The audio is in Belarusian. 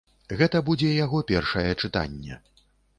Гэта будзе яго першае чытанне.